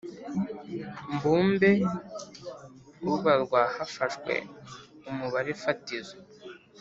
mbumbe Ubarwa hafashwe umubare fatizo